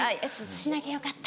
しなきゃよかった。